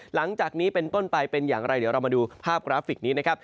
หลังจากนี้เป็นต้นไปเป็นอย่างไรเดี๋ยวเรามาดูภาพกราฟิกนี้นะครับ